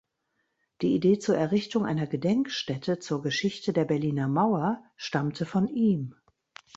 Die Idee zur Errichtung einer Gedenkstätte zur Geschichte der Berliner Mauer stammte von ihm.